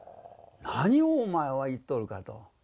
何をお前は言っとるかと。